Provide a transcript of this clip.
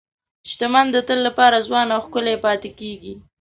شتمن د تل لپاره ځوان او ښکلي پاتې کېږي.